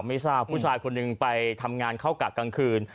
ไม่ทราบผู้ชายคนหนึ่งไปทำงานเข้ากะกลางคืน